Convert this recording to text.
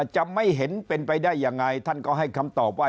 จะไม่เห็นเป็นไปได้ยังไงท่านก็ให้คำตอบว่า